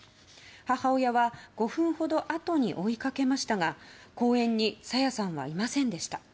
母親は５分ほどあとに追いかけましたが公園に朝芽さんはいませんでした。